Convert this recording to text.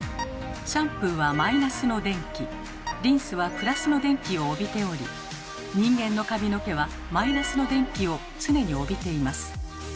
シャンプーはマイナスの電気リンスはプラスの電気を帯びており人間の髪の毛はマイナスの電気を常に帯びています。